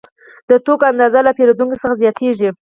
د توکو اندازه له پیرودونکو څخه زیاتېږي